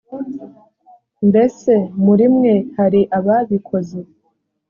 mbese muri mwe hari ababikoze